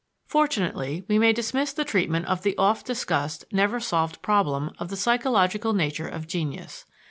Fortunately, we may dismiss the treatment of the oft discussed, never solved problem of the psychological nature of genius.